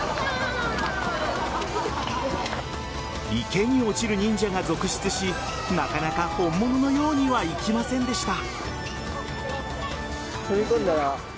池に落ちる忍者が続出しなかなか本物のようにはいきませんでした。